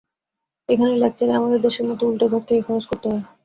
এখানে লেকচারে আমাদের দেশের মত উল্টে ঘর থেকে খরচ করতে হয়।